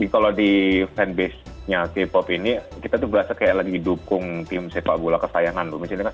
kalau di fanbase nya k pop ini kita tuh berasa kayak lagi dukung tim sepak bola kesayangan